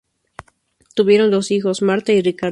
Tuvieron dos hijos, Marta y Ricardo.